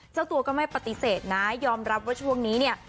เจ้าตัวก็ไม่ปฏิเสธนะยอมรับว่าช่วงนี้เนี่ย